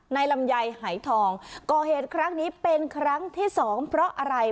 ลำไยหายทองก่อเหตุครั้งนี้เป็นครั้งที่สองเพราะอะไร